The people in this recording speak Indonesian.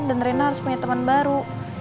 dan rena harus punya temen baru